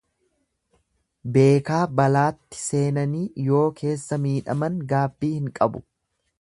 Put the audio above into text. Beekaa balaatti seenanii yoo keessa miidhaman gaabbii hin qabu.